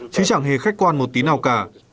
chứ chẳng hề khách quan một tí nào cả